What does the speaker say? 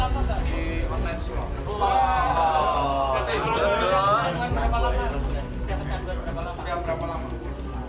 jadi itu bayar rutan